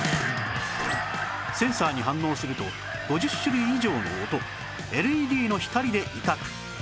センサーに反応すると５０種類以上の音 ＬＥＤ の光で威嚇